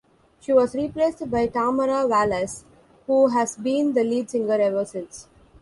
She was replaced by Tamara Wallace, who has been the lead singer ever since.